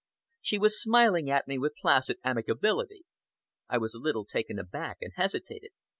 She was smiling at me with placid amicability. I was a little taken aback and hesitated.